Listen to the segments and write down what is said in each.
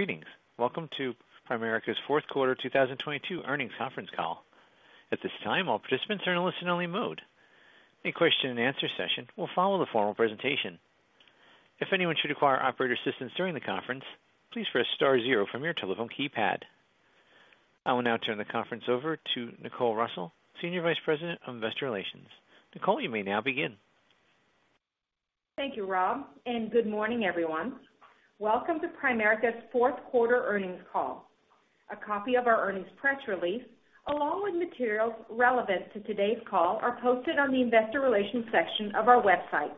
Greetings. Welcome to Primerica's Q4 2022 earnings conference call. At this time, all participants are in a listen-only mode. A question and answer session will follow the formal presentation. If anyone should require operator assistance during the conference, please press star zero from your telephone keypad. I will now turn the conference over to Nicole Russell, Senior Vice President of Investor Relations. Nicole, you may now begin. Thank you, Rob. Good morning, everyone. Welcome to Primerica's Q4 earnings call. A copy of our earnings press release, along with materials relevant to today's call, are posted on the investor relations section of our website.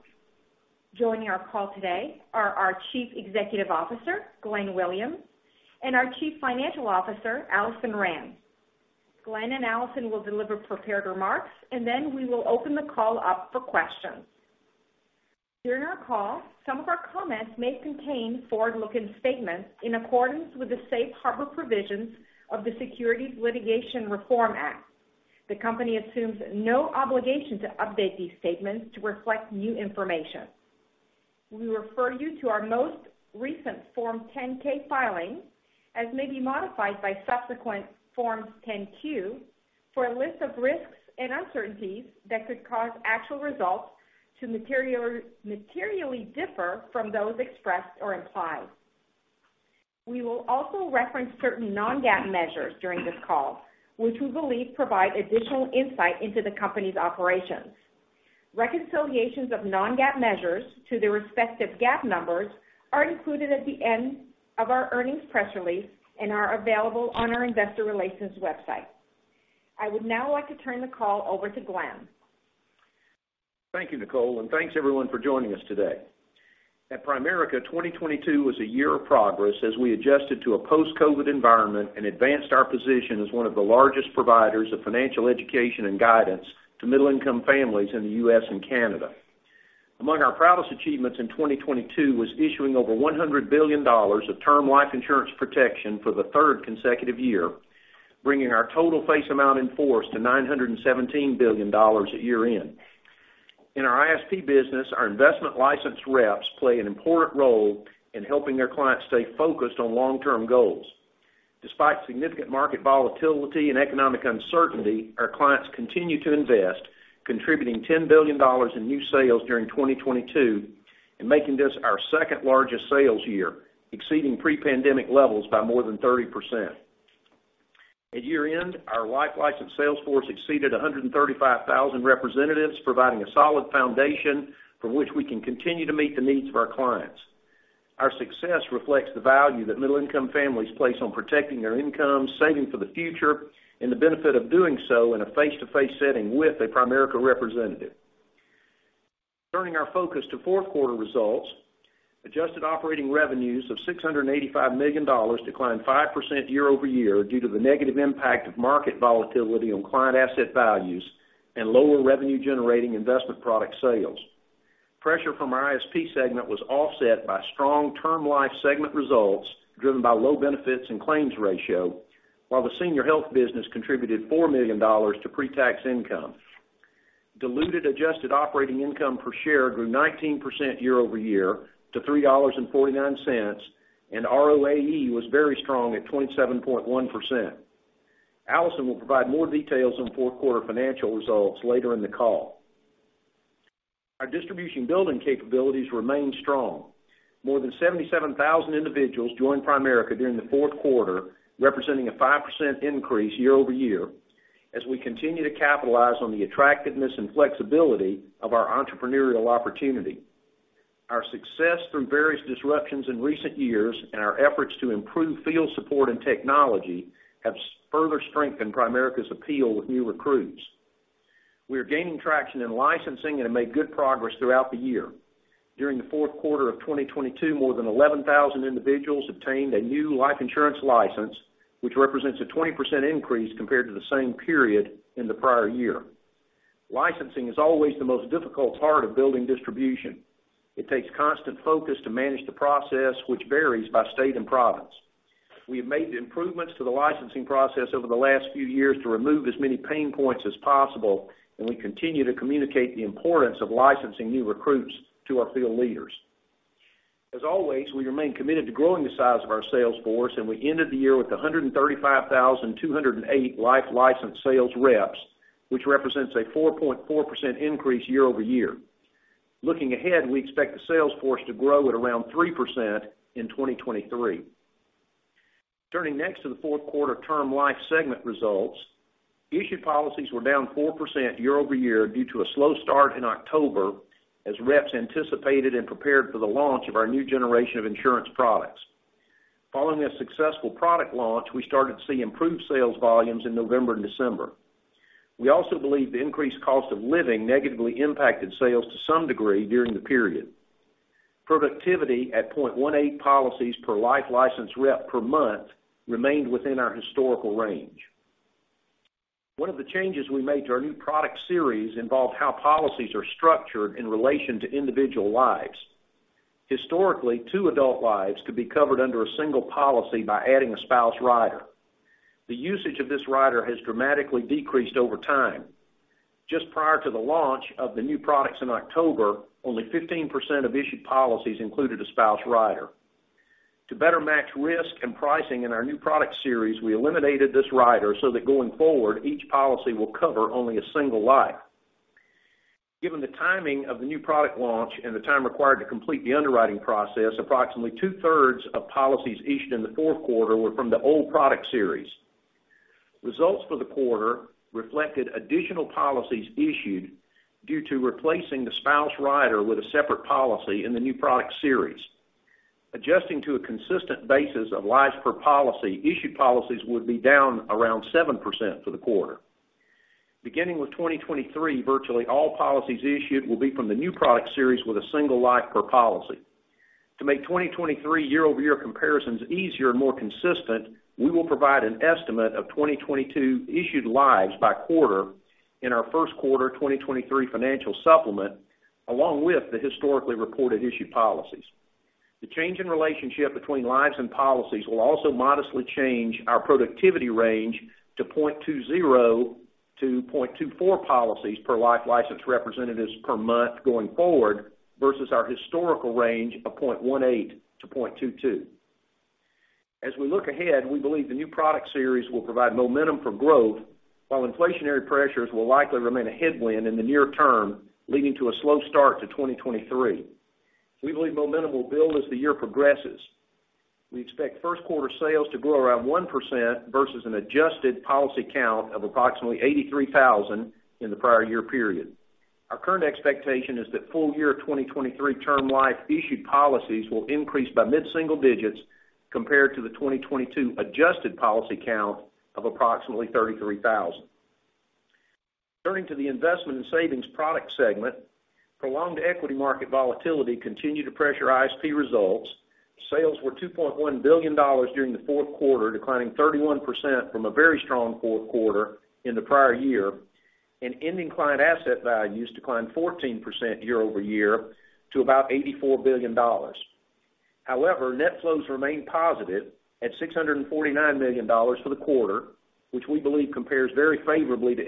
Joining our call today are our Chief Executive Officer, Glenn Williams, and our Chief Financial Officer, Alison Rand. Glenn and Alison will deliver prepared remarks. Then we will open the call up for questions. During our call, some of our comments may contain forward-looking statements in accordance with the safe harbor provisions of the Securities Litigation Reform Act. The company assumes no obligation to update these statements to reflect new information. We refer you to our most recent Form 10-K filing, as may be modified by subsequent Forms 10-Q, for a list of risks and uncertainties that could cause actual results to materially differ from those expressed or implied. We will also reference certain non-GAAP measures during this call, which we believe provide additional insight into the company's operations. Reconciliations of non-GAAP measures to their respective GAAP numbers are included at the end of our earnings press release and are available on our investor relations website. I would now like to turn the call over to Glenn. Thank you, Nicole, and thanks everyone for joining us today. At Primerica, 2022 was a year of progress as we adjusted to a post-COVID environment and advanced our position as one of the largest providers of financial education and guidance to middle-income families in the U.S. and Canada. Among our proudest achievements in 2022 was issuing over $100 billion of Term Life insurance protection for the third consecutive year, bringing our total face amount in force to $917 billion at year-end. In our ISP business, our investment-licensed reps play an important role in helping their clients stay focused on long-term goals. Despite significant market volatility and economic uncertainty, our clients continue to invest, contributing $10 billion in new sales during 2022 and making this our second largest sales year, exceeding pre-pandemic levels by more than 30%. At year-end, our life licensed sales force exceeded 135,000 representatives, providing a solid foundation from which we can continue to meet the needs of our clients. Our success reflects the value that middle-income families place on protecting their income, saving for the future, and the benefit of doing so in a face-to-face setting with a Primerica representative. Turning our focus to Q4 results, adjusted operating revenues of $685 million declined 5% year-over-year due to the negative impact of market volatility on client asset values and lower revenue generating investment product sales. Pressure from our ISP segment was offset by strong Term Life segment results, driven by low benefits and claims ratio, while the Senior Health business contributed $4 million to pre-tax income. Diluted adjusted operating income per share grew 19% year-over-year to $3.49, and ROAE was very strong at 27.1%. Alison will provide more details on Q4 financial results later in the call. Our distribution building capabilities remain strong. More than 77,000 individuals joined Primerica during the Q4, representing a 5% increase year-over-year, as we continue to capitalize on the attractiveness and flexibility of our entrepreneurial opportunity. Our success through various disruptions in recent years and our efforts to improve field support and technology have further strengthened Primerica's appeal with new recruits. We are gaining traction in licensing and have made good progress throughout the year. During the Q4 of 2022, more than 11,000 individuals obtained a new life insurance license, which represents a 20% increase compared to the same period in the prior year. Licensing is always the most difficult part of building distribution. It takes constant focus to manage the process, which varies by state and province. We have made improvements to the licensing process over the last few years to remove as many pain points as possible, and we continue to communicate the importance of licensing new recruits to our field leaders. As always, we remain committed to growing the size of our sales force, and we ended the year with 135,208 life licensed sales reps, which represents a 4.4% increase year-over-year. Looking ahead, we expect the sales force to grow at around 3% in 2023. Turning next to the Q4 Term Life segment results, issued policies were down 4% year-over-year due to a slow start in October as reps anticipated and prepared for the launch of our new generation of insurance products. Following a successful product launch, we started to see improved sales volumes in November and December. We also believe the increased cost of living negatively impacted sales to some degree during the period. Productivity at 0.18 policies per life licensed rep per month remained within our historical range. One of the changes we made to our new product series involved how policies are structured in relation to individual lives. Historically, two adult lives could be covered under a single policy by adding a spouse rider. The usage of this rider has dramatically decreased over time. Just prior to the launch of the new products in October, only 15% of issued policies included a spouse rider. To better match risk and pricing in our new product series, we eliminated this rider so that going forward, each policy will cover only a single life. Given the timing of the new product launch and the time required to complete the underwriting process, approximately two-thirds of policies issued in the Q4 were from the old product series. Results for the quarter reflected additional policies issued due to replacing the spouse rider with a separate policy in the new product series. Adjusting to a consistent basis of lives per policy, issued policies would be down around 7% for the quarter. Beginning with 2023, virtually all policies issued will be from the new product series with a single life per policy. To make 2023 year-over-year comparisons easier and more consistent, we will provide an estimate of 2022 issued lives by quarter in our Q1 2023 financial supplement, along with the historically reported issued policies. The change in relationship between lives and policies will also modestly change our productivity range to 0.20-0.24 policies per life licensed representatives per month going forward versus our historical range of 0.18-0.22. As we look ahead, we believe the new product series will provide momentum for growth, while inflationary pressures will likely remain a headwind in the near term, leading to a slow start to 2023. We believe momentum will build as the year progresses. We expect Q1 sales to grow around 1% versus an adjusted policy count of approximately 83,000 in the prior year period. Our current expectation is that full year 2023 Term Life issued policies will increase by mid-single digits compared to the 2022 adjusted policy count of approximately 33,000. Turning to the Investment & Savings Products segment, prolonged equity market volatility continued to pressure ISP results. Sales were $2.1 billion during the Q4, declining 31% from a very strong Q4 in the prior year. Ending client asset values declined 14% year-over-year to about $84 billion. However, net flows remained positive at $649 million for the quarter, which we believe compares very favorably to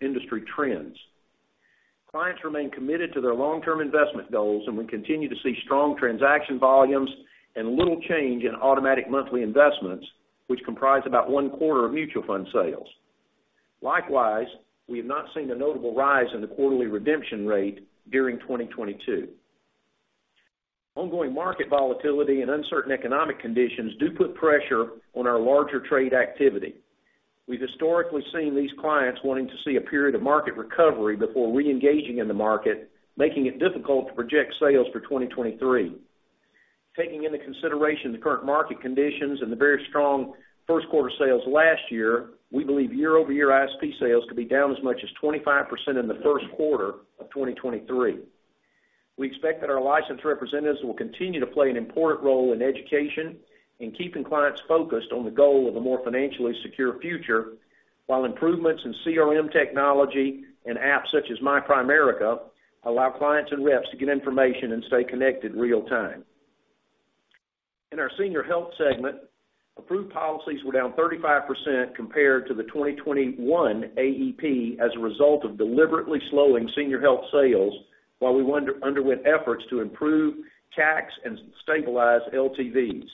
industry trends. Clients remain committed to their long-term investment goals. We continue to see strong transaction volumes and little change in automatic monthly investments, which comprise about one-quarter of mutual fund sales. Likewise, we have not seen a notable rise in the quarterly redemption rate during 2022. Ongoing market volatility and uncertain economic conditions do put pressure on our larger trade activity. We've historically seen these clients wanting to see a period of market recovery before re-engaging in the market, making it difficult to project sales for 2023. Taking into consideration the current market conditions and the very strong Q1 sales last year, we believe year-over-year ISP sales could be down as much as 25% in the Q1 of 2023. We expect that our licensed representatives will continue to play an important role in education and keeping clients focused on the goal of a more financially secure future, while improvements in CRM technology and apps such as My Primerica allow clients and reps to get information and stay connected real time. In our Senior Health segment, approved policies were down 35% compared to the 2021 AEP as a result of deliberately slowing Senior Health sales while we underwent efforts to improve CACs and stabilize LTVs.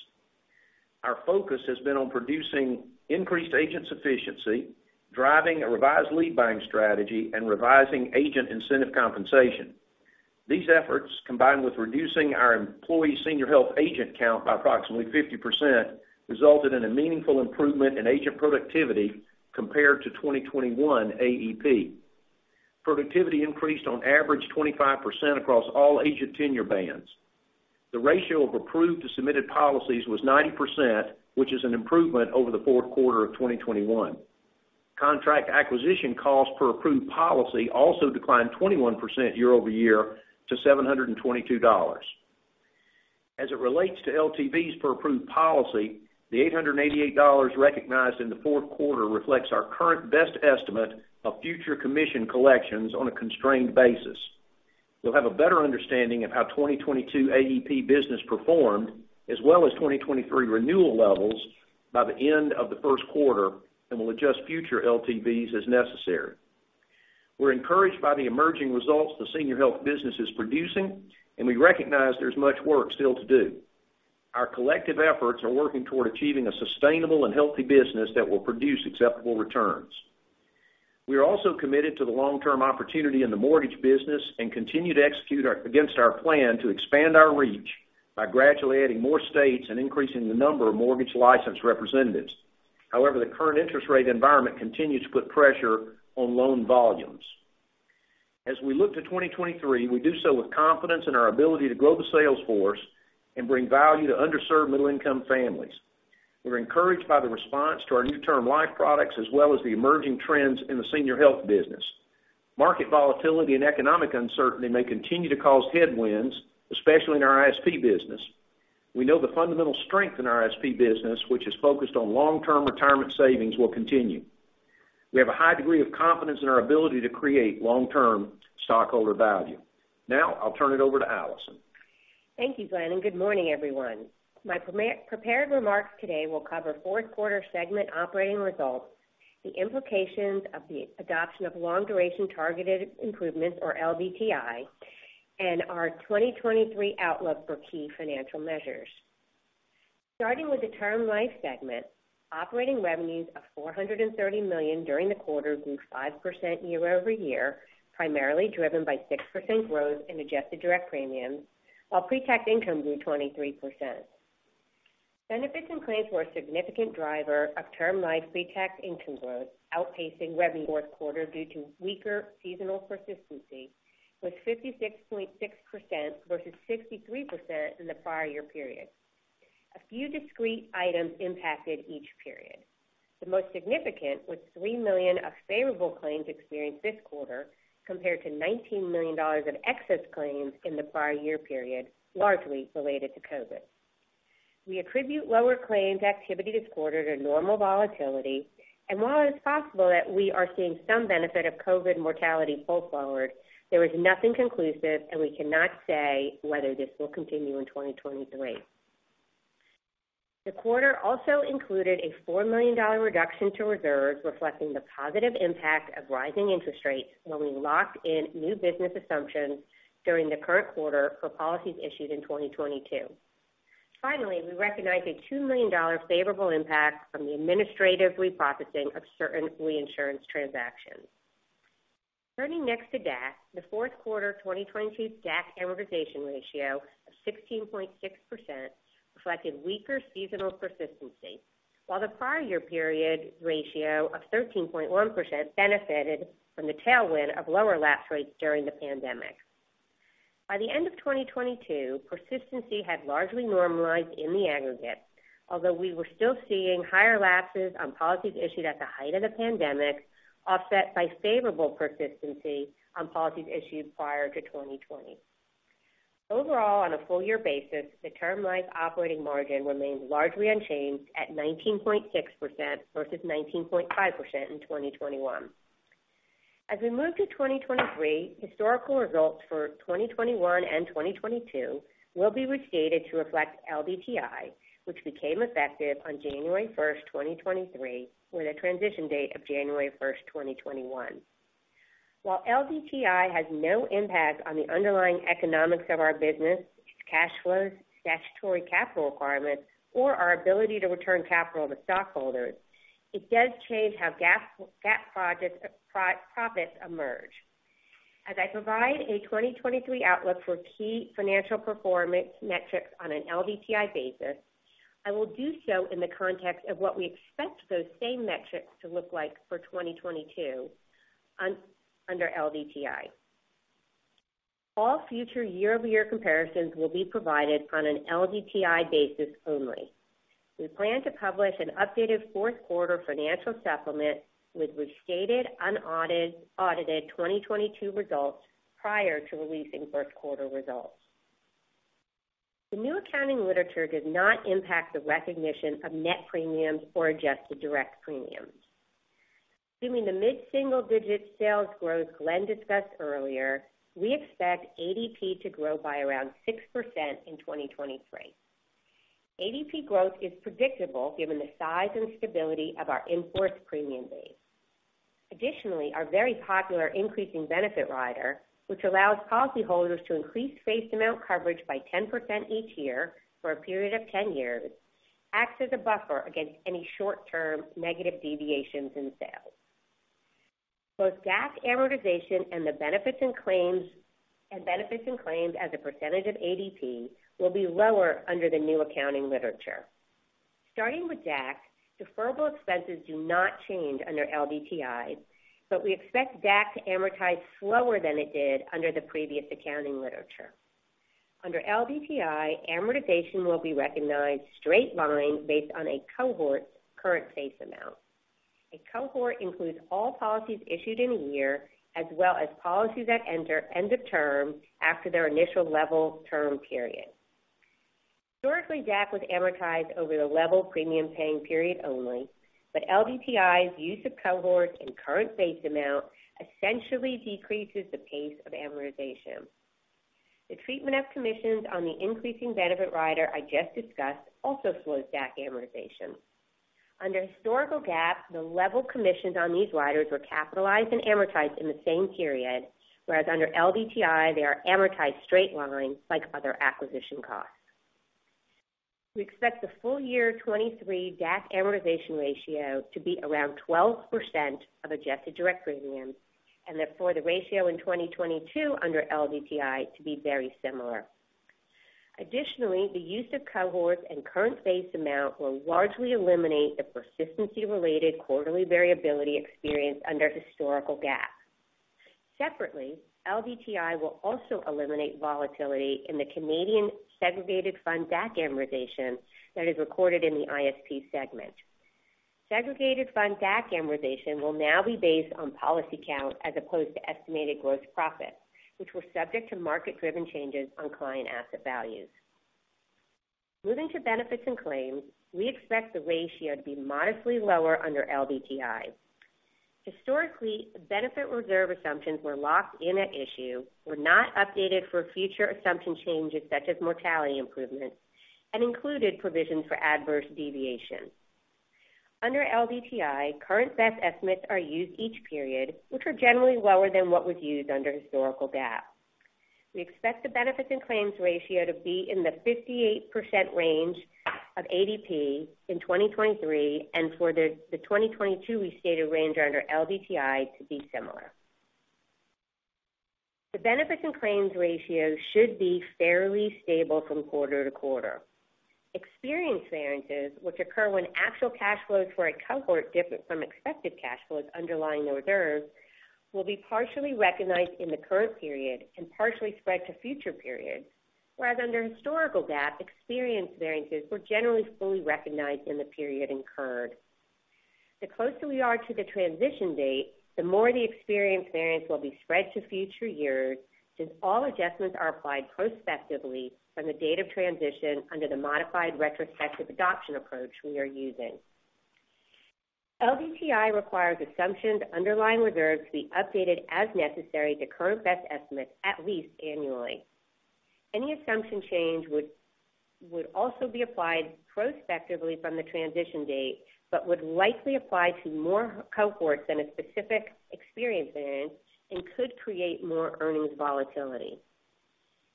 Our focus has been on producing increased agent sufficiency, driving a revised lead buying strategy, and revising agent incentive compensation. These efforts, combined with reducing our employee Senior Health agent count by approximately 50%, resulted in a meaningful improvement in agent productivity compared to 2021 AEP. Productivity increased on average 25% across all agent tenure bands. The ratio of approved to submitted policies was 90%, which is an improvement over the Q4 of 2021. Contract acquisition costs per approved policy also declined 21% year-over-year to $722. As it relates to LTVs per approved policy, the $888 recognized in the Q4 reflects our current best estimate of future commission collections on a constrained basis. We'll have a better understanding of how 2022 AEP business performed, as well as 2023 renewal levels by the end of the Q1, and we'll adjust future LTVs as necessary. We're encouraged by the emerging results the Senior Health business is producing, and we recognize there's much work still to do. Our collective efforts are working toward achieving a sustainable and healthy business that will produce acceptable returns. We are also committed to the long-term opportunity in the mortgage business and continue to execute against our plan to expand our reach by gradually adding more states and increasing the number of mortgage licensed representatives. The current interest rate environment continues to put pressure on loan volumes. As we look to 2023, we do so with confidence in our ability to grow the sales force and bring value to underserved middle-income families. We're encouraged by the response to our new Term Life products, as well as the emerging trends in the Senior Health business. Market volatility and economic uncertainty may continue to cause headwinds, especially in our ISP business. We know the fundamental strength in our ISP business, which is focused on long-term retirement savings, will continue. We have a high degree of confidence in our ability to create long-term stockholder value. Now I'll turn it over to Alison. Thank you, Glenn. Good morning, everyone. My prepared remarks today will cover Q4 segment operating results, the implications of the adoption of long duration targeted improvements or LDTI, and our 2023 outlook for key financial measures. Starting with the Term Life segment, operating revenues of $430 million during the quarter grew 5% year-over-year, primarily driven by 6% growth in adjusted direct premiums, while pretax income grew 23%. Benefits and claims were a significant driver of Term Life pretax income growth, outpacing revenue Q4 due to weaker seasonal persistency, with 56.6% versus 63% in the prior year period. A few discrete items impacted each period. The most significant was $3 million of favorable claims experienced this quarter, compared to $19 million of excess claims in the prior year period, largely related to COVID. We attribute lower claims activity this quarter to normal volatility, and while it's possible that we are seeing some benefit of COVID mortality pull forward, there is nothing conclusive, and we cannot say whether this will continue in 2023. The quarter also included a $4 million reduction to reserves, reflecting the positive impact of rising interest rates when we locked in new business assumptions during the current quarter for policies issued in 2022. Finally, we recognized a $2 million favorable impact from the administrative reprocessing of certain reinsurance transactions. Turning next to DAC, the Q4 2022 DAC amortization ratio of 16.6% reflected weaker seasonal persistency, while the prior year period ratio of 13.1% benefited from the tailwind of lower lapse rates during the pandemic. By the end of 2022, persistency had largely normalized in the aggregate. Although we were still seeing higher lapses on policies issued at the height of the pandemic, offset by favorable persistency on policies issued prior to 2020. Overall, on a full year basis, the Term Life operating margin remained largely unchanged at 19.6% versus 19.5% in 2021. As we move to 2023, historical results for 2021 and 2022 will be restated to reflect LDTI, which became effective on January 1, 2023, with a transition date of January 1, 2021. While LDTI has no impact on the underlying economics of our business, its cash flows, statutory capital requirements, or our ability to return capital to stockholders, it does change how GAAP projects profits emerge. As I provide a 2023 outlook for key financial performance metrics on an LDTI basis, I will do so in the context of what we expect those same metrics to look like for 2022 under LDTI. All future year-over-year comparisons will be provided on an LDTI basis only. We plan to publish an updated Q4 financial supplement with restated unaudited audited 2022 results prior to releasing Q1 results. The new accounting literature does not impact the recognition of net premiums or adjusted direct premiums. Assuming the mid-single-digit sales growth Glenn discussed earlier, we expect ADP to grow by around 6% in 2023. ADP growth is predictable given the size and stability of our in-force premium base. Additionally, our very popular Increasing Benefit Rider, which allows policyholders to increase face amount coverage by 10% each year for a period of 10 years, acts as a buffer against any short-term negative deviations in sales. Both DAC amortization and the benefits and claims as a percentage of ADP will be lower under the new accounting literature. Starting with DAC, deferrable expenses do not change under LDTI, but we expect DAC to amortize slower than it did under the previous accounting literature. Under LDTI, amortization will be recognized straight line based on a cohort's current face amount. A cohort includes all policies issued in a year, as well as policies that enter end of term after their initial level term period. Historically, DAC was amortized over the level premium paying period only, but LDTI's use of cohorts and current face amount essentially decreases the pace of amortization. The treatment of commissions on the Increasing Benefit Rider I just discussed also slows DAC amortization. Under historical GAAP, the level commissions on these riders were capitalized and amortized in the same period, whereas under LDTI, they are amortized straight line like other acquisition costs. We expect the full year 2023 DAC amortization ratio to be around 12% of adjusted direct premiums, and therefore the ratio in 2022 under LDTI to be very similar. Additionally, the use of cohorts and current face amount will largely eliminate the persistency-related quarterly variability experienced under historical GAAP. Separately, LDTI will also eliminate volatility in the Canadian segregated fund DAC amortization that is recorded in the ISP segment. Segregated fund DAC amortization will now be based on policy count as opposed to estimated gross profit, which was subject to market-driven changes on client asset values. Moving to benefits and claims, we expect the ratio to be modestly lower under LDTI. Historically, benefit reserve assumptions were locked in at issue, were not updated for future assumption changes such as mortality improvements, and included provisions for adverse deviation. Under LDTI, current best estimates are used each period, which are generally lower than what was used under historical GAAP. We expect the benefits and claims ratio to be in the 58% range of ADP in 2023 and for the 2022 restated range under LDTI to be similar. The benefits and claims ratio should be fairly stable from quarter to quarter. Experience variances, which occur when actual cash flows for a cohort differ from expected cash flows underlying the reserves, will be partially recognized in the current period and partially spread to future periods. Whereas under historical GAAP, experience variances were generally fully recognized in the period incurred. The closer we are to the transition date, the more the experience variance will be spread to future years, since all adjustments are applied prospectively from the date of transition under the modified retrospective adoption approach we are using. LDTI requires assumptions underlying reserves be updated as necessary to current best estimates at least annually. Any assumption change would also be applied prospectively from the transition date, but would likely apply to more cohorts than a specific experience variance and could create more earnings volatility.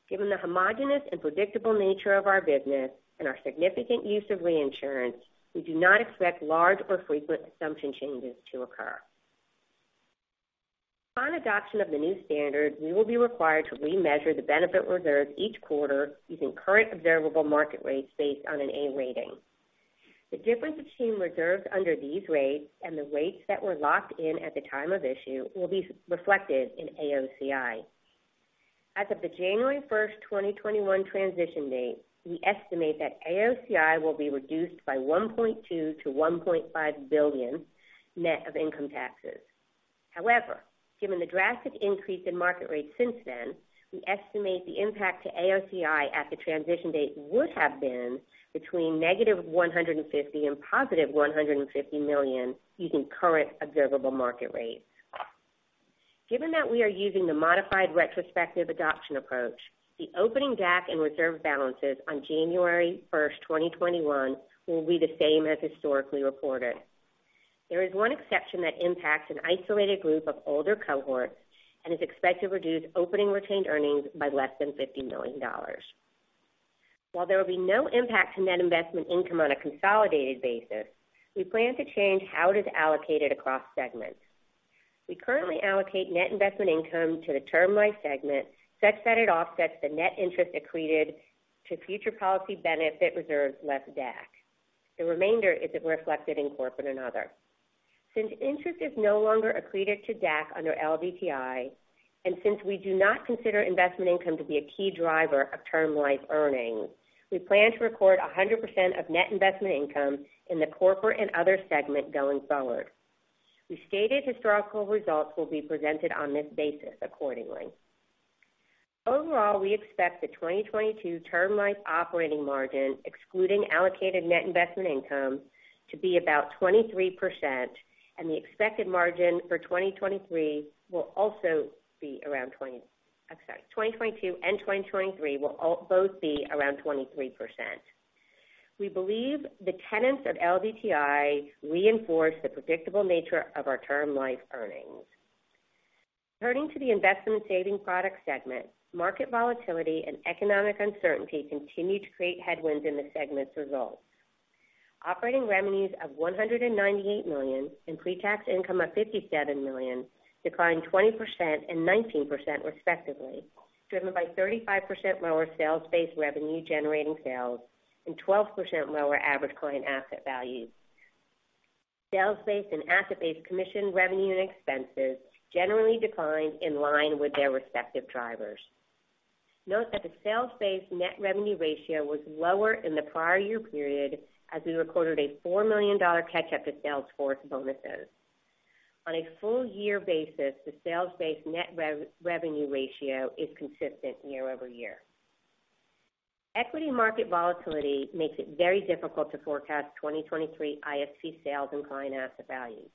Given the homogenous and predictable nature of our business and our significant use of reinsurance, we do not expect large or frequent assumption changes to occur. On adoption of the new standard, we will be required to remeasure the benefit reserves each quarter using current observable market rates based on an A rating. The difference between reserves under these rates and the rates that were locked in at the time of issue will be reflected in AOCI. As of the January 1, 2021 transition date, we estimate that AOCI will be reduced by $1.2 billion-$1.5 billion net of income taxes. However, given the drastic increase in market rates since then, we estimate the impact to AOCI at the transition date would have been between -$150 million and +$150 million using current observable market rates. Given that we are using the modified retrospective approach, the opening DAC and reserve balances on January first, 2021 will be the same as historically reported. There is one exception that impacts an isolated group of older cohorts and is expected to reduce opening retained earnings by less than $50 million. While there will be no impact to net investment income on a consolidated basis, we plan to change how it is allocated across segments. We currently allocate net investment income to the Term Life segment such that it offsets the net interest accreted to future policy benefit reserves less DAC. The remainder isn't reflected in Corporate and Other. Since interest is no longer accreted to DAC under LDTI, and since we do not consider investment income to be a key driver of Term Life earnings, we plan to record 100% of net investment income in the Corporate and Other segment going forward. Restated historical results will be presented on this basis accordingly. Overall, we expect the 2022 Term Life operating margin, excluding allocated net investment income, to be about 23% and the expected margin for 2023 will also be around 23%. I'm sorry, 2022 and 2023 will all both be around 23%. We believe the tenants of LDTI reinforce the predictable nature of our Term Life earnings. Turning to the Investment & Savings Products segment, market volatility and economic uncertainty continue to create headwinds in the segment's results. Operating revenues of $198 million and pre-tax income of $57 million declined 20% and 19% respectively, driven by 35% lower sales-based revenue generating sales and 12% lower average client asset values. Sales-based and asset-based commission revenue and expenses generally declined in line with their respective drivers. Note that the sales-based net revenue ratio was lower in the prior year period as we recorded a $4 million catch up to sales force bonuses. On a full year basis, the sales-based net revenue ratio is consistent year-over-year. Equity market volatility makes it very difficult to forecast 2023 ISP sales and client asset values.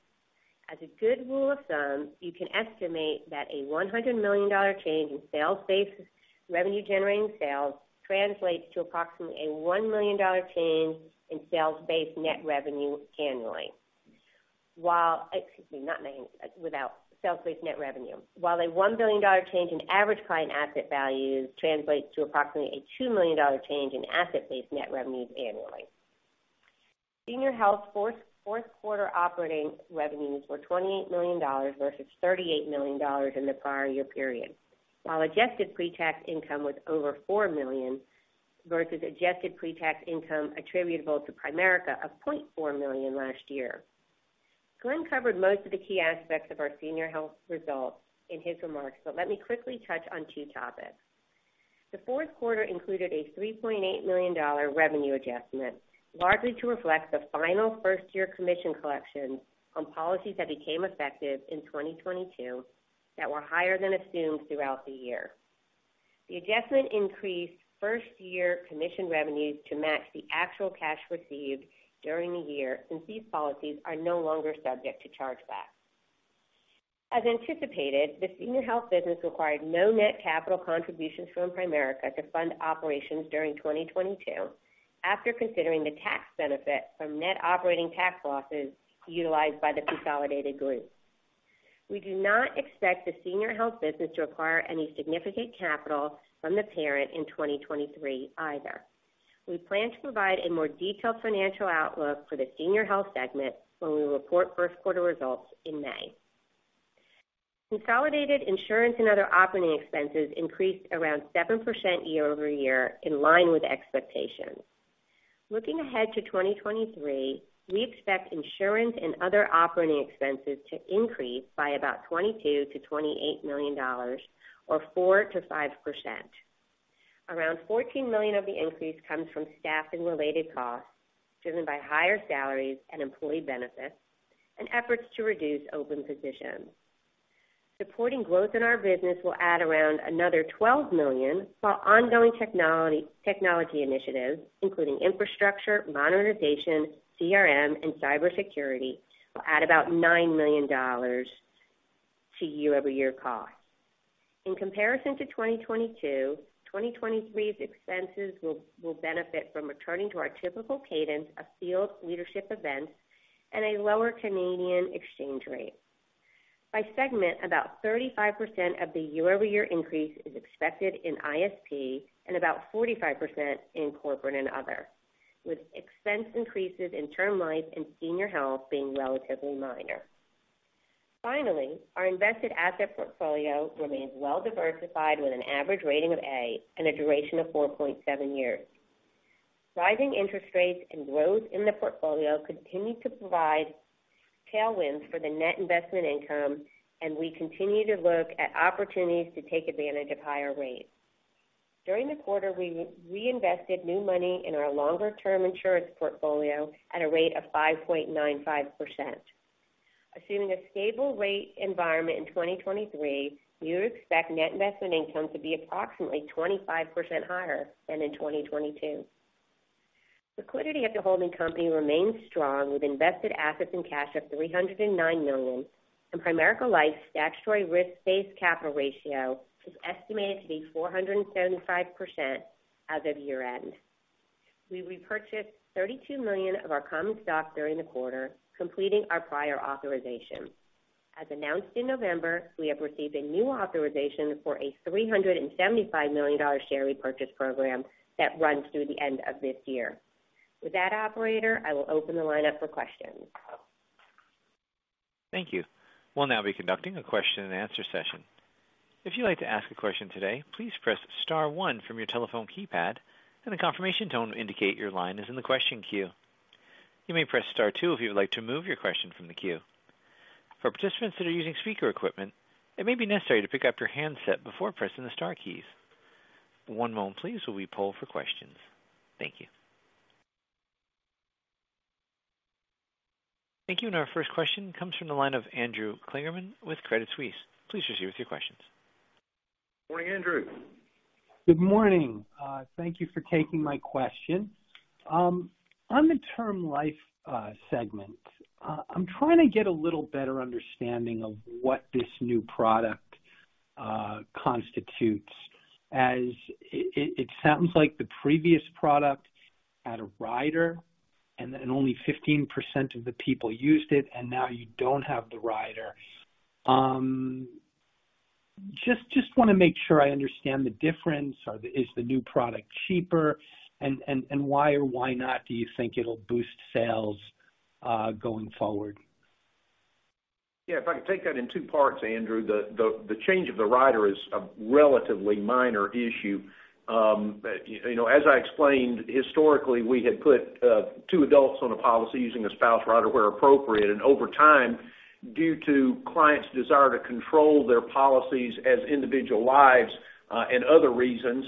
As a good rule of thumb, you can estimate that a $100 million change in sales-based revenue generating sales translates to approximately a $1 million change in sales-based net revenue annually. While... Excuse me, not million, without sales-based net revenue. A $1 billion change in average client asset values translates to approximately a $2 million change in asset-based net revenues annually. Senior Health's Q4 operating revenues were $28 million versus $38 million in the prior year period. Adjusted pre-tax income was over $4 million versus adjusted pre-tax income attributable to Primerica of $0.4 million last year. Glenn covered most of the key aspects of our Senior Health results in his remarks, but let me quickly touch on two topics. The Q4 included a $3.8 million revenue adjustment, largely to reflect the final first-year commission collections on policies that became effective in 2022 that were higher than assumed throughout the year. The adjustment increased first year commission revenues to match the actual cash received during the year, since these policies are no longer subject to charge back. As anticipated, the Senior Health business required no net capital contributions from Primerica to fund operations during 2022 after considering the tax benefit from net operating tax losses utilized by the consolidated group. We do not expect the Senior Health business to require any significant capital from the parent in 2023 either. We plan to provide a more detailed financial outlook for the Senior Health segment when we report Q1 results in May. Consolidated insurance and other operating expenses increased around 7% year-over-year in line with expectations. Looking ahead to 2023, we expect insurance and other operating expenses to increase by about $22 million-$28 million or 4%-5%. Around $14 million of the increase comes from staffing-related costs, driven by higher salaries and employee benefits and efforts to reduce open positions. Supporting growth in our business will add around another $12 million, while ongoing technology initiatives, including infrastructure modernization, CRM, and cybersecurity will add about $9 million to year-over-year costs. In comparison to 2022, 2023's expenses will benefit from returning to our typical cadence of field leadership events and a lower Canadian exchange rate. By segment, about 35% of the year-over-year increase is expected in ISP and about 45% in Corporate and Other, with expense increases in Term Life and Senior Health being relatively minor. Finally, our invested asset portfolio remains well diversified with an average rating of A and a duration of 4.7 years. Rising interest rates and growth in the portfolio continue to provide tailwinds for the Net Investment Income, and we continue to look at opportunities to take advantage of higher rates. During the quarter, we re-invested new money in our longer term insurance portfolio at a rate of 5.95%. Assuming a stable rate environment in 2023, we would expect Net Investment Income to be approximately 25% higher than in 2022. Liquidity at the holding company remains strong with invested assets and cash of $309 million, and Primerica Life's statutory risk-based capital ratio is estimated to be 475% as of year-end. We repurchased $32 million of our common stock during the quarter, completing our prior authorization. As announced in November, we have received a new authorization for a $375 million share repurchase program that runs through the end of this year. With that operator, I will open the line up for questions. Thank you. We'll now be conducting a question and answer session. If you'd like to ask a question today, please press star one from your telephone keypad and a confirmation tone will indicate your line is in the question queue. You may press star two if you would like to move your question from the queue. For participants that are using speaker equipment, it may be necessary to pick up your handset before pressing the star keys. One moment please, while we poll for questions. Thank you. Thank you. Our first question comes from the line of Andrew Kligerman with Credit Suisse. Please proceed with your questions. Morning, Andrew. Good morning. Thank you for taking my question. On the Term Life segment, I'm trying to get a little better understanding of what this new product constitutes, as it sounds like the previous product had a rider and then only 15% of the people used it, and now you don't have the rider. Just want to make sure I understand the difference. Is the new product cheaper and why or why not do you think it'll boost sales going forward? Yeah, if I could take that in two parts, Andrew. The change of the rider is a relatively minor issue. As I explained, historically, we had put 2 adults on a policy using a spouse rider where appropriate. Over time, due to clients' desire to control their policies as individual lives, and other reasons,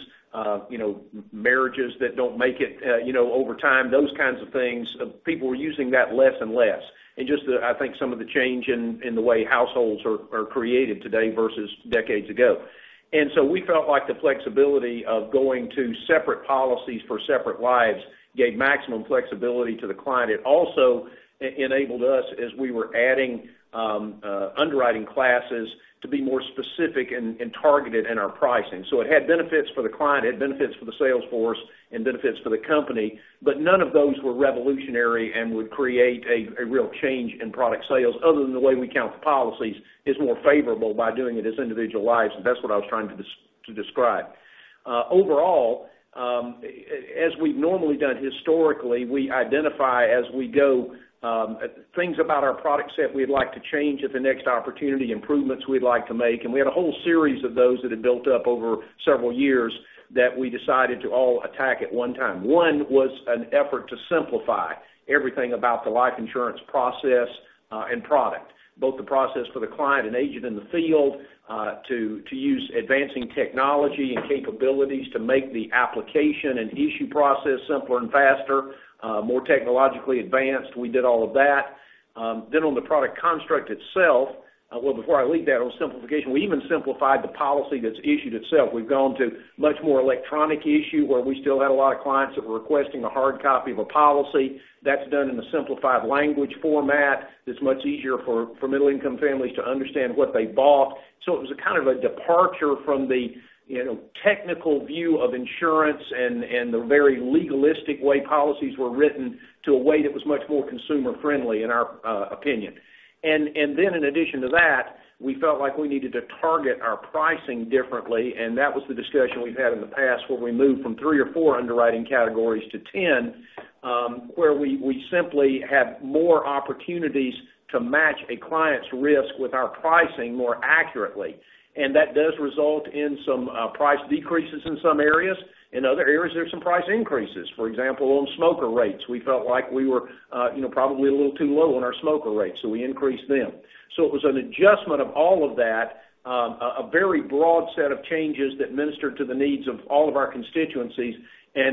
marriages that don't make it, over time, those kinds of things, people were using that less and less. Just the, I think some of the change in the way households are created today versus decades ago. So we felt like the flexibility of going to separate policies for separate lives gave maximum flexibility to the client. It also enabled us as we were adding underwriting classes to be more specific and targeted in our pricing. It had benefits for the client, it had benefits for the sales force and benefits for the company, but none of those were revolutionary and would create a real change in product sales other than the way we count the policies is more favorable by doing it as individual lives, and that's what I was trying to describe. Overall, as we've normally done historically, we identify as we go, things about our product set we'd like to change at the next opportunity, improvements we'd like to make. We had a whole series of those that had built up over several years that we decided to all attack at one time. One was an effort to simplify everything about the life insurance process and product. Both the process for the client and agent in the field, to use advancing technology and capabilities to make the application and issue process simpler and faster, more technologically advanced. We did all of that. On the product construct itself. Well, before I leave that on simplification, we even simplified the policy that's issued itself. We've gone to much more electronic issue where we still had a lot of clients that were requesting a hard copy of a policy. That's done in a simplified language format that's much easier for middle income families to understand what they bought. It was a kind of a departure from the, technical view of insurance and the very legalistic way policies were written to a way that was much more consumer friendly in our opinion. We felt like we needed to target our pricing differently, and that was the discussion we've had in the past where we moved from 3 or 4 underwriting categories to 10, where we simply have more opportunities to match a client's risk with our pricing more accurately. That does result in some price decreases in some areas. In other areas, there's some price increases. For example, on smoker rates, we felt like we were, probably a little too low on our smoker rates, so we increased them. It was an adjustment of all of that, a very broad set of changes that ministered to the needs of all of our constituencies.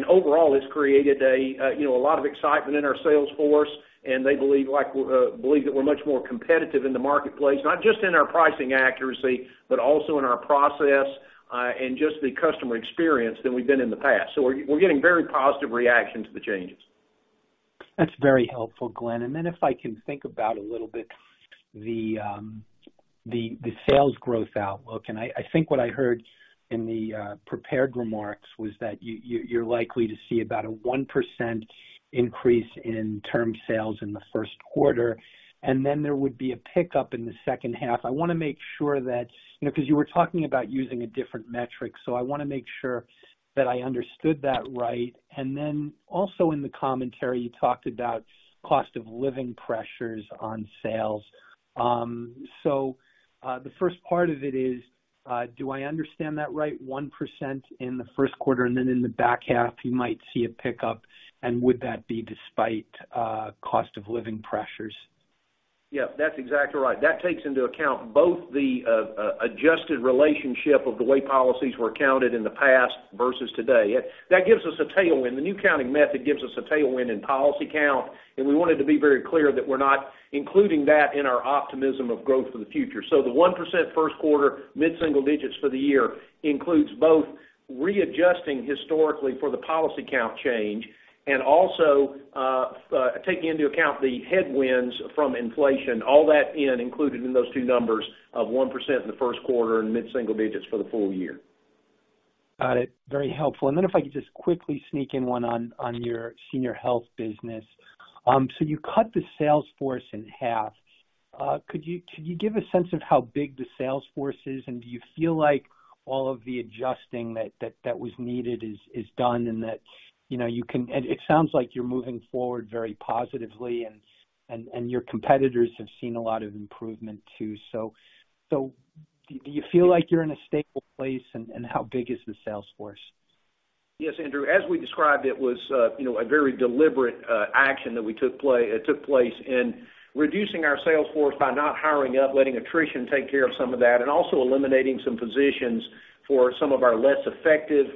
Overall, it's created a lot of excitement in our sales force, and they believe like that we're much more competitive in the marketplace, not just in our pricing accuracy, but also in our process, and just the customer experience than we've been in the past. We're getting very positive reaction to the changes. That's very helpful, Glenn. If I can think about a little bit the sales growth outlook, I think what I heard in the prepared remarks was that you're likely to see about a 1% increase in term sales in the Q1, and then there would be a pickup in the second half. I want to make sure that, cause you were talking about using a different metric, so I want to make sure that I understood that right. Also in the commentary, you talked about cost of living pressures on sales. The first part of it is, do I understand that right, 1% in the Q1, and then in the back half, you might see a pickup, and would that be despite, cost of living pressures? Yeah, that's exactly right. That takes into account both the adjusted relationship of the way policies were counted in the past versus today. That gives us a tailwind. The new counting method gives us a tailwind in policy count. We wanted to be very clear that we're not including that in our optimism of growth for the future. The 1% Q1, mid-single digits for the year includes both readjusting historically for the policy count change and also taking into account the headwinds from inflation, all that in included in those two numbers of 1% in the Q1 and mid-single digits for the full year. Got it. Very helpful. Then if I could just quickly sneak in one on your Senior Health business. You cut the sales force in half. Can you give a sense of how big the sales force is? Do you feel like all of the adjusting that was needed is done and that, you can. It sounds like you're moving forward very positively and your competitors have seen a lot of improvement too. Do you feel like you're in a stable place, and how big is the sales force? Yes, Andrew. As we described, it was a very deliberate action that we took place in reducing our sales force by not hiring up, letting attrition take care of some of that, and also eliminating some positions for some of our less effective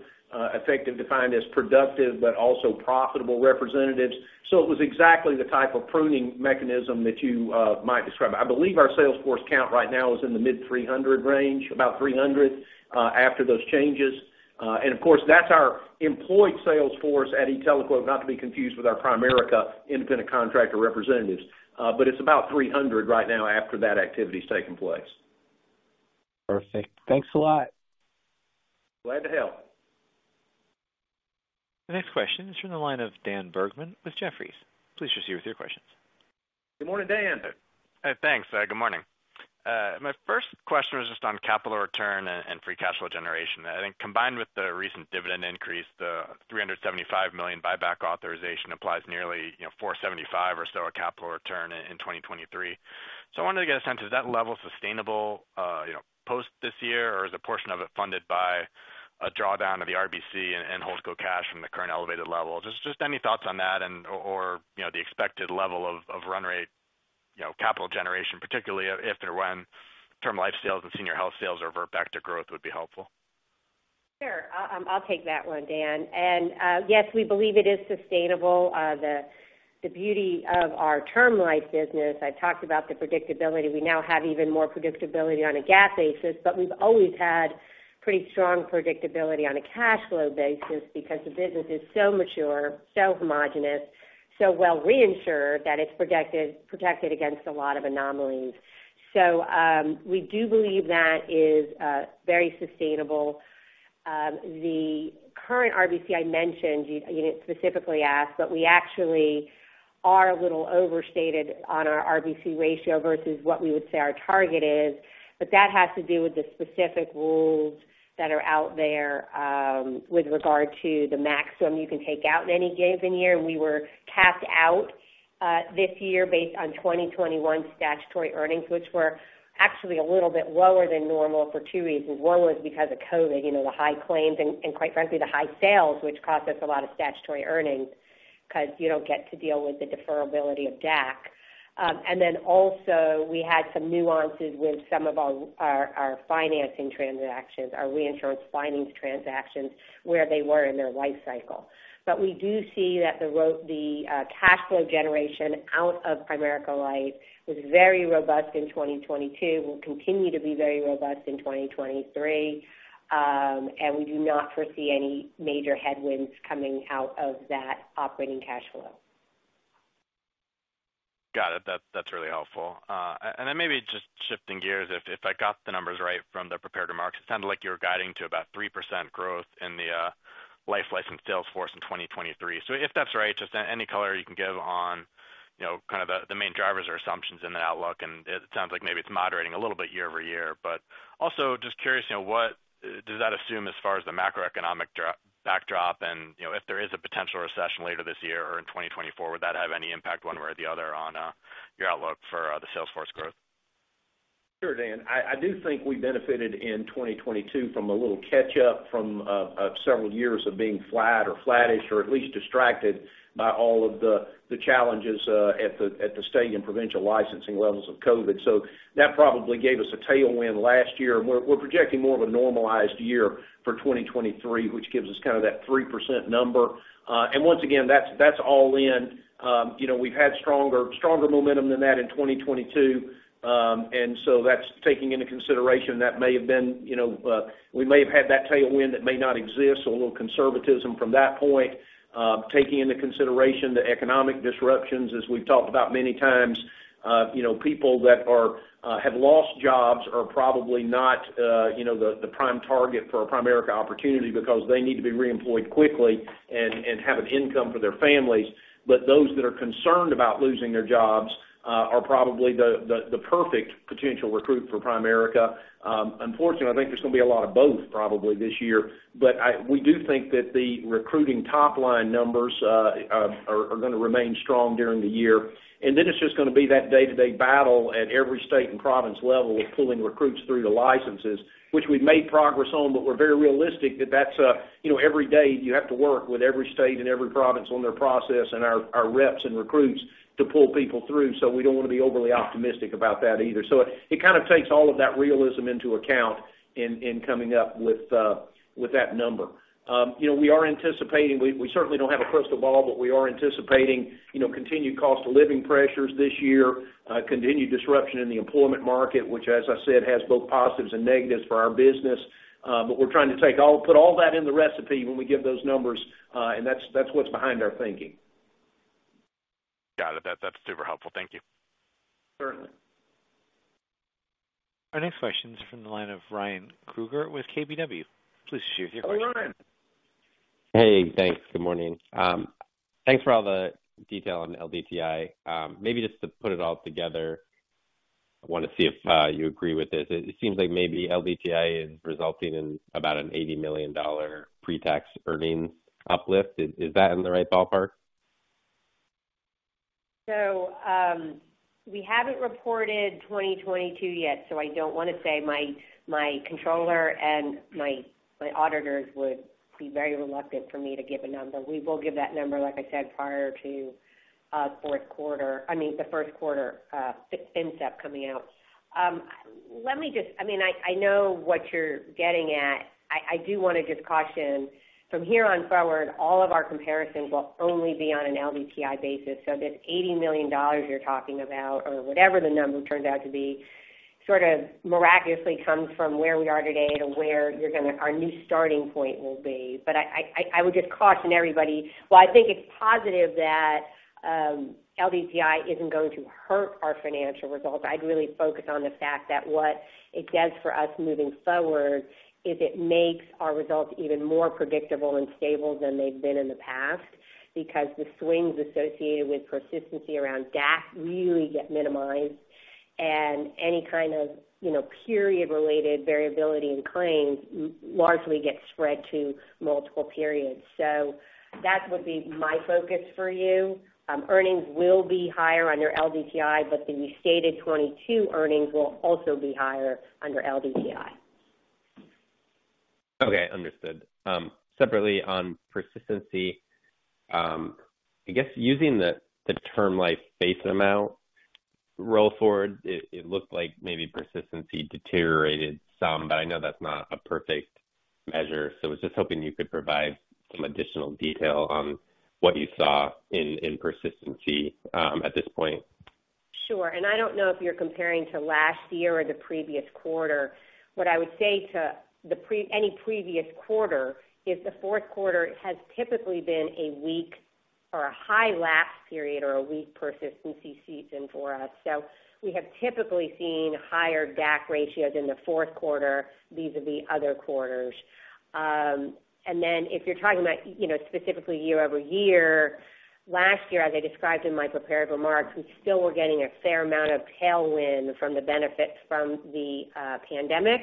defined as productive but also profitable representatives. It was exactly the type of pruning mechanism that you might describe. I believe our sales force count right now is in the mid-300 range, about 300 after those changes. Of course, that's our employed sales force at e-TeleQuote, not to be confused with our Primerica independent contractor representatives. It's about 300 right now after that activity's taken place. Perfect .Thanks a lot. Glad to help. The next question is from the line of Dan Bergman with Jefferies. Please proceed with your questions. Good morning, Dan. Thanks. Good morning. My first question was just on capital return and free cash flow generation. I think combined with the recent dividend increase, the $375 million buyback authorization applies nearly, $475 million or so of capital return in 2023. I wanted to get a sense, is that level sustainable, post this year? Or is a portion of it funded by a drawdown of the RBC and holdco cash from the current elevated level? Just any thoughts on that and or the expected level of run rate, capital generation, particularly if or when Term Life sales and Senior Health sales revert back to growth would be helpful. Sure. I'll take that one, Dan. Yes, we believe it is sustainable. The beauty of our Term Life business, I talked about the predictability. We now have even more predictability on a GAAP basis, but we've always had pretty strong predictability on a cash flow basis because the business is so mature, so homogenous, so well reinsured that it's protected against a lot of anomalies. We do believe that is very sustainable. The current RBC I mentioned, you didn't specifically ask, but we actually are a little overstated on our RBC ratio versus what we would say our target is. That has to do with the specific rules that are out there, with regard to the maximum you can take out in any given year. We were capped out this year based on 2021 statutory earnings, which were actually a little bit lower than normal for two reasons. One was because of COVID, the high claims and quite frankly, the high sales, which cost us a lot of statutory earnings because you don't get to deal with the deferability of DAC. Then also we had some nuances with some of our financing transactions, our reinsurance finance transactions, where they were in their life cycle. We do see that the cash flow generation out of Primerica Life was very robust in 2022, will continue to be very robust in 2023. We do not foresee any major headwinds coming out of that operating cash flow. Got it. That's really helpful. Maybe just shifting gears, if I got the numbers right from the prepared remarks, it sounded like you were guiding to about 3% growth in the Term Life license sales force in 2023. If that's right, just any color you can give on, kind of the main drivers or assumptions in the outlook, and it sounds like maybe it's moderating a little bit year-over-year. Also just curious, what does that assume as far as the macroeconomic backdrop and, if there is a potential recession later this year or in 2024, would that have any impact one way or the other on your outlook for the sales force growth? Sure, Dan. I do think we benefited in 2022 from several years of being flat or flattish, or at least distracted by all of the challenges at the state and provincial licensing levels of COVID. That probably gave us a tailwind last year, and we're projecting more of a normalized year for 2023, which gives us kind of that 3% number. And once again, that's all in. we've had stronger momentum than that in 2022. That's taking into consideration that may have been, we may have had that tailwind that may not exist. A little conservatism from that point, taking into consideration the economic disruptions as we've talked about many times. people that are, have lost jobs are probably not, the prime target for a Primerica opportunity because they need to be reemployed quickly and have an income for their families. Those that are concerned about losing their jobs, are probably the perfect potential recruit for Primerica. Unfortunately, I think there's going to be a lot of both probably this year, but we do think that the recruiting top line numbers, are going to remain strong during the year. It's just going to be that day-to-day battle at every state and province level of pulling recruits through the licenses, which we've made progress on, but we're very realistic that that's a, every day you have to work with every state and every province on their process and our reps and recruits to pull people through. We don't want to be overly optimistic about that either. It kind of takes all of that realism into account in coming up with that number. we are anticipating, we certainly don't have a crystal ball, but we are anticipating, continued cost of living pressures this year, continued disruption in the employment market, which as I said, has both positives and negatives for our business. We're trying to put all that in the recipe when we give those numbers. That's what's behind our thinking. Got it. That, that's super helpful. Thank you. Certainly. Our next question's from the line of Ryan Krueger with KBW. Please share your question. Hey, Ryan. Thanks. Good morning. Thanks for all the detail on LDTI. Maybe just to put it all together, I want to see if you agree with this. It seems like maybe LDTI is resulting in about an $80 million pre-tax earnings uplift. Is that in the right ballpark? We haven't reported 2022 yet, so I don't want to say my controller and my auditors would be very reluctant for me to give a number. We will give that number, like I said, prior to Q4, I mean, the Q1, FinSup coming out. Let me just, I mean, I know what you're getting at. I do want to just caution from here on forward, all of our comparisons will only be on an LDTI basis. This $80 million you're talking about or whatever the number turns out to be, sort of miraculously comes from where we are today to where our new starting point will be. I would just caution everybody. While I think it's positive that LDTI isn't going to hurt our financial results, I'd really focus on the fact that what it does for us moving forward is it makes our results even more predictable and stable than they've been in the past because the swings associated with persistency around DAC really get minimized, and any kind of, period related variability in claims largely gets spread to multiple periods. That would be my focus for you. Earnings will be higher under LDTI, but the restated 2022 earnings will also be higher under LDTI. Okay, understood. Separately on persistency, I guess using the Term Life base amount roll forward, it looked like maybe persistency deteriorated some, but I know that's not a perfect measure, so I was just hoping you could provide some additional detail on what you saw in persistency, at this point. Sure. I don't know if you're comparing to last year or the previous quarter. What I would say to any previous quarter is the Q4 has typically been a weak or a high lapse period or a weak persistency season for us. We have typically seen higher DAC ratios in the Q4 vis-a-vis other quarters. If you're talking about, specifically year-over-year, last year, as I described in my prepared remarks, we still were getting a fair amount of tailwind from the benefits from the pandemic,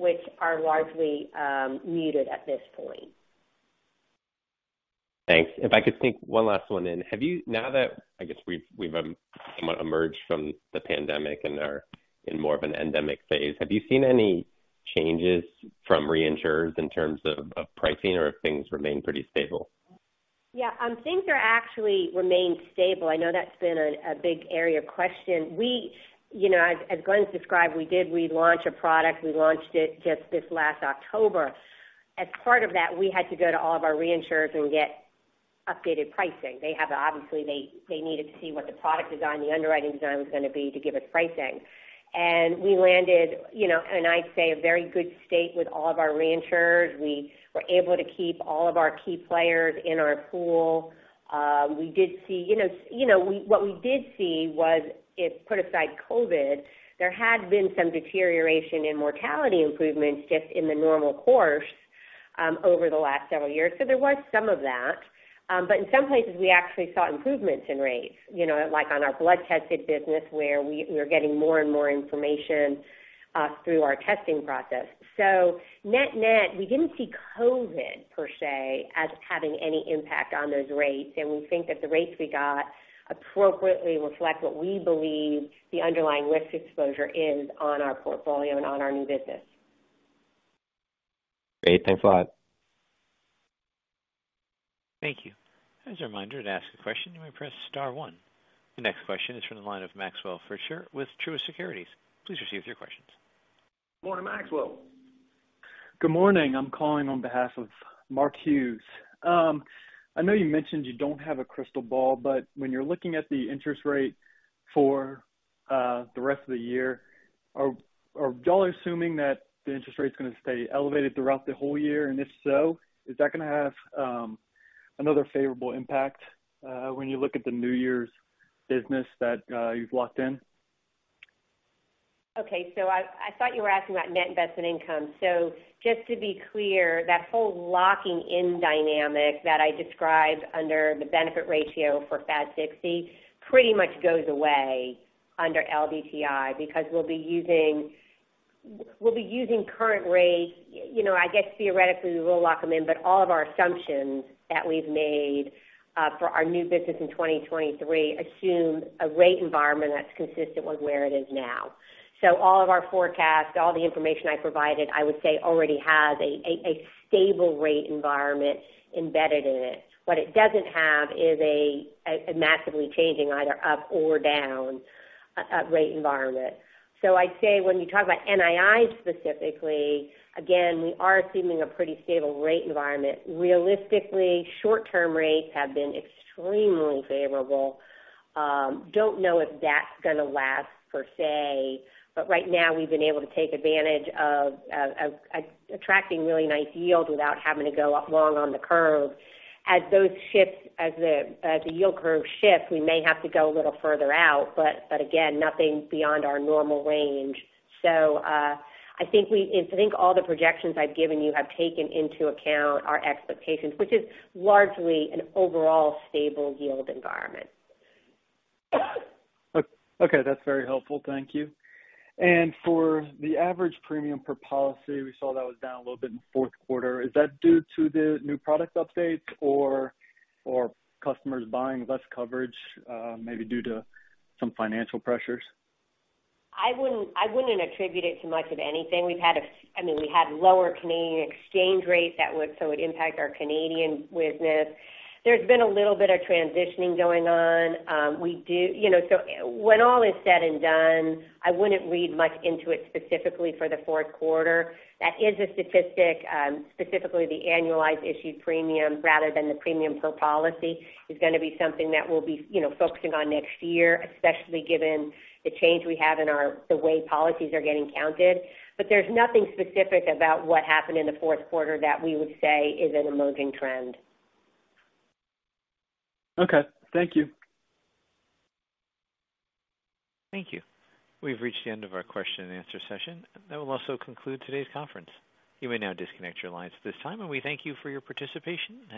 which are largely muted at this point. Thanks. If I could sneak one last one in. Now that I guess we've somewhat emerged from the pandemic and are in more of an endemic phase, have you seen any changes from reinsurers in terms of pricing or have things remained pretty stable? Yeah, things are actually remained stable. I know that's been a big area of question. We as Glenn described, we did relaunch a product. We launched it just this last October. As part of that, we had to go to all of our reinsurers and get updated pricing. Obviously, they needed to see what the product design, the underwriting design was going to be to give us pricing. We landed and I'd say a very good state with all of our reinsurers. We were able to keep all of our key players in our pool. We did see what we did see was if, put aside COVID, there had been some deterioration in mortality improvements just in the normal course. Over the last several years. There was some of that. But in some places, we actually saw improvements in rates, like on our blood tested business, where we are getting more and more information, through our testing process. Net-net, we didn't see COVID, per se, as having any impact on those rates. We think that the rates we got appropriately reflect what we believe the underlying risk exposure is on our portfolio and on our new business. Great. Thanks a lot. Thank you. As a reminder, to ask a question, you may press star one. The next question is from the line of Maxwell Fritscher with Truist Securities. Please receive your questions. Morning, Maxwell. Good morning. I'm calling on behalf of Mark Hughes. I know you mentioned you don't have a crystal ball, but when you're looking at the interest rate for the rest of the year, are y'all assuming that the interest rate's going to stay elevated throughout the whole year? If so, is that going to have another favorable impact when you look at the New Year's business that you've locked in? I thought you were asking about net investment income. Just to be clear, that whole locking in dynamic that I described under the benefit ratio for FASB 60 pretty much goes away under LDTI because we'll be using current rates. I guess theoretically we will lock them in, but all of our assumptions that we've made for our new business in 2023 assume a rate environment that's consistent with where it is now. All of our forecasts, all the information I provided, I would say already has a stable rate environment embedded in it. What it doesn't have is a massively changing either up or down rate environment. I'd say when you talk about NII specifically, again, we are assuming a pretty stable rate environment. Realistically, short term rates have been extremely favorable. Don't know if that's going to last per se, but right now we've been able to take advantage of attracting really nice yield without having to go up long on the curve. As those shifts, as the yield curve shifts, we may have to go a little further out, but again, nothing beyond our normal range. I think all the projections I've given you have taken into account our expectations, which is largely an overall stable yield environment. Okay, that's very helpful. Thank you. For the average premium per policy, we saw that was down a little bit in the Q4. Is that due to the new product updates or customers buying less coverage, maybe due to some financial pressures? I wouldn't attribute it to much of anything. We've had, I mean, we had lower Canadian exchange rates, so it would impact our Canadian business. There's been a little bit of transitioning going on. when all is said and done, I wouldn't read much into it specifically for the Q4. That is a statistic, specifically the annualized issued premium rather than the premium per policy is going to be something that we'll be, focusing on next year, especially given the change we have in our the way policies are getting counted. There's nothing specific about what happened in the Q4 that we would say is an emerging trend. Okay. Thank you. Thank you. We've reached the end of our question and answer session. That will also conclude today's conference. You may now disconnect your lines at this time. We thank you for your participation.